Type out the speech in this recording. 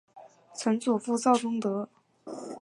曾祖父赵仲德。